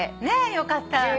ねえよかった。